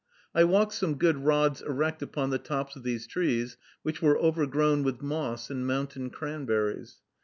I walked some good rods erect upon the tops of these trees, which were overgrown with moss and mountain cranberries.